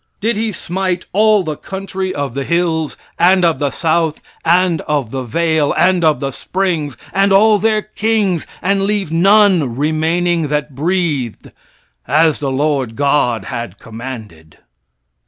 Did he smite "all the country of the hills, and of the south, and of the vale, and of the springs, and all their kings, and leave none remaining that breathed, as the Lord God had commanded?"